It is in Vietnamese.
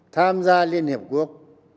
tham gia liên hiệp quốc